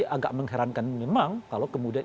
agak mengherankan memang kalau kemudian